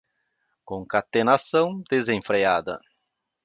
concatenação desenfreada